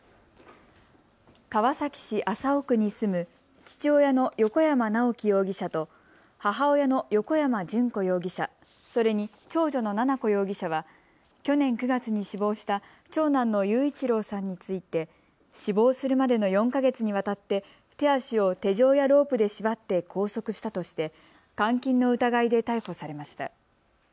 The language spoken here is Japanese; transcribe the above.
川崎市麻生区に住む父親の横山直樹容疑者と母親の横山順子容疑者、それに長女の奈々子容疑者は去年９月に死亡した長男の雄一郎さんについて死亡するまでの４か月にわたって手足を手錠やロープで縛って拘束したとして監禁の疑いで逮捕されました。